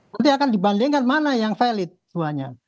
nanti akan dibandingkan mana yang valid semuanya